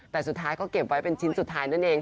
แต่สุดท้ายก็เก็บไว้เป็นชิ้นสุดท้ายนั่นเอง